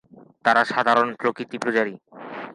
তারা সাধারণত প্রকৃতি পূজারী।